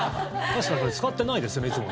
確かにそれ使ってないですよねいつも。